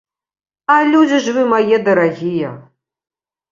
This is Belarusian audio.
А людзі ж вы мае дарагія!